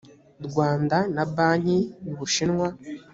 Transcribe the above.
rwanda na banki y ubushinwa